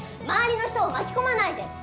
周りの人を巻き込まないで！